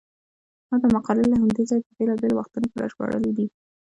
ما دا مقالې له همدې ځایه په بېلابېلو وختونو کې راژباړلې دي.